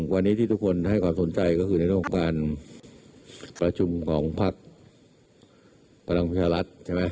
วันนี้ที่ทุกคนก็ให้ความสนใจก็คือในโครงการประชุมของภักดิ์ภารับิชาลัด